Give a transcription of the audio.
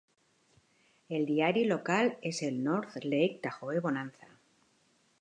El diari local és el "North Lake Tahoe Bonanza".